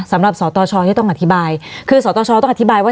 สำหรับสตชที่ต้องอธิบายคือสตชต้องอธิบายว่า